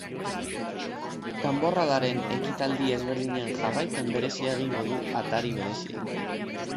Danborradaren ekitaldi ezberdinen jarraipen berezia egingo du atari berezian.